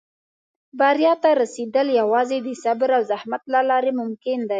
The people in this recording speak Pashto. • بریا ته رسېدل یوازې د صبر او زحمت له لارې ممکن دي.